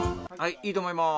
いいと思います。